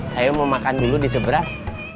saya mau makan dulu di seberang